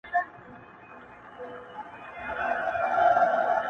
بيا نو منم چي په اختـر كي جــادو~